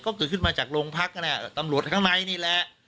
ก็ขือขึ้นมาจากโรงพรรคอะนี่ฮะตำรวจข้างในนี่แหละ